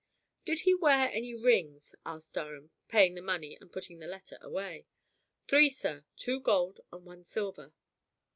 "Did he wear any rings?" asked Durham, paying the money and putting the letter away. "Three, sir. Two gold and one silver."